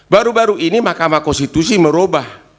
baru baru ini mahkamah konstitusi merubah